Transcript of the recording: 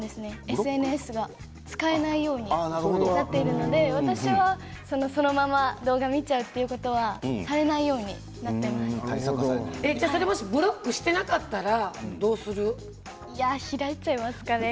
ＳＮＳは使えないようになっているので私はそのまま動画見ちゃうということはされないようにブロック開いちゃいますかね。